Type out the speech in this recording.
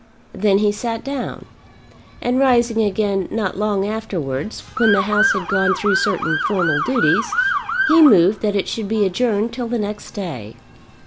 Then he sat down. And rising again not long afterwards, when the House had gone through certain formal duties, he moved that it should be adjourned till the next day.